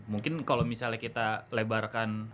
mungkin kalau misalnya kita lebarkan